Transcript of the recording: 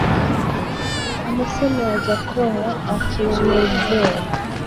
Amesema Wajackoya akiongezea